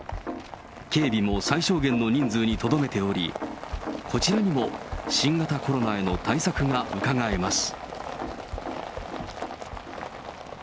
警備も最小限の人数にとどめており、こちらにも新型コロナへの対策がうかがえます。